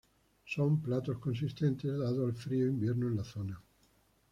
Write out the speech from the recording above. Son platos consistentes dado al frío invierno en la zona.